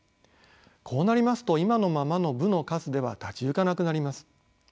こうなりますと今のままの部の数では立ち行かなくなります。